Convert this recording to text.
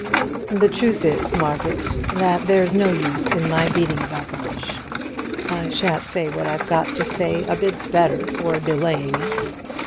"The truth is, Margaret, that there's no use in my beating about the bush. I shan't say what I've got to say a bit the better for delaying it.